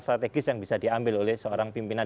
strategis yang bisa diambil oleh seorang pimpinan